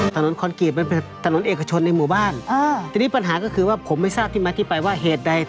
คอนกรีตมันเป็นถนนเอกชนในหมู่บ้านอ่าทีนี้ปัญหาก็คือว่าผมไม่ทราบที่มาที่ไปว่าเหตุใด